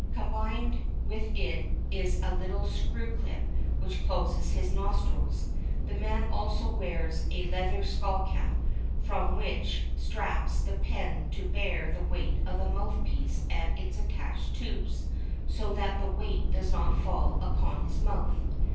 Combined with it is a little screw clip which closes his nostrils. The man also wears a leather skull cap, from which straps depend to bear the weight of the mouth piece and its attached tubes, so that the weight does not fall upon his mouth.